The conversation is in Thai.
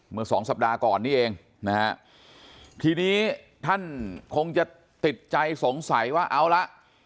เมื่อสองสัปดาห์ก่อนนี้เองนะฮะทีนี้ท่านคงจะติดใจสงสัยว่าเอาละ